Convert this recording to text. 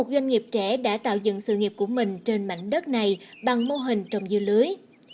điệp trẻ đã tạo dựng sự nghiệp của mình trên mảnh đất này bằng mô hình trồng dưa lưới